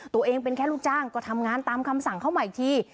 ตัวเองเป็นแค่ลูกจ้างก็ทำงานตามคำสั่งเข้ามาอีกที